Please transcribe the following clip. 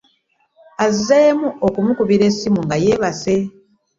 Azzem okumukubira essimu nga yebase .